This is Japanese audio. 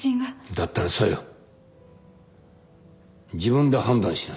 だったら小夜自分で判断しなさい。